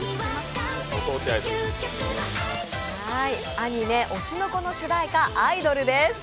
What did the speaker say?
アニメ「推しの子」の主題歌「アイドル」です。